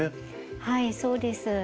はいそうです。